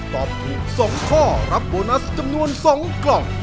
ตอบถูก๒ข้อรับโบนัสจำนวน๒กล่อง